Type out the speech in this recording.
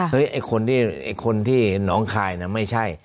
เฮ้ยไอ้คนที่น้องคลายน่ะไม่ใช่